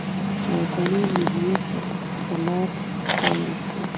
او اوسني مدنيت ته لار هواره شوه؛